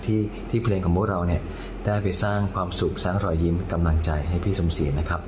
ที่เพลงของพวกเราเนี่ยได้ไปสร้างความสุขสร้างรอยยิ้มกำลังใจให้พี่สมศรีนะครับ